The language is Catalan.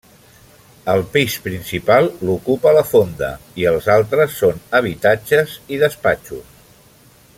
El pis principal l'ocupa la fonda, i els altres són habitatges i despatxos.